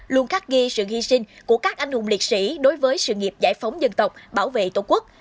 luôn khắc ghi sự hy sinh của các anh hùng liệt sĩ đối với sự nghiệp giải phóng dân tộc bảo vệ tổ quốc